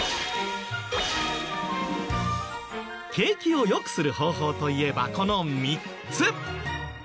景気を良くする方法といえばこの３つ。